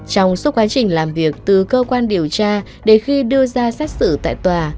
trong suốt quá trình làm việc từ cơ quan điều tra đến khi đưa ra xét xử tại tòa